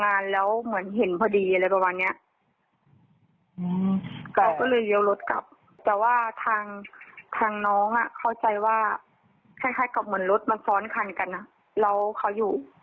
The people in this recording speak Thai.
คล้ายกับเหมือนรถมาซ้อนคันกันแล้วเขาอยู่